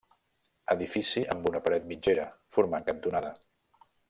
Edifici amb una paret mitgera, formant cantonada.